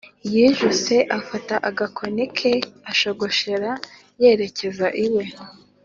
yijuse afata agakoni ke ashogoshera yerekeza iwe.